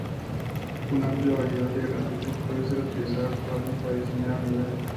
Una amplia variedad de herramientas puede ser utilizadas por alguien para diseñar un nivel.